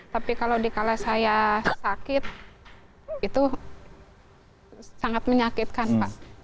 tapi kalau dikala saya sakit itu sangat menyakitkan pak